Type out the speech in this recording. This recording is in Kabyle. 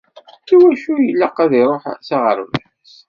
Iwacu i y-ilaq ad ruḥeɣ s aɣerbaz?